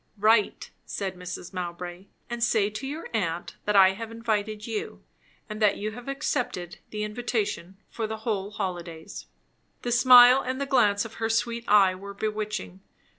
"Write," said Mrs. Mowbray, "and say to your aunt that I have invited you and that you have accepted the invitation, for the whole holidays." The smile and the glance of her sweet eye were bewitching.